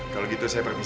kalau gitu saya permisi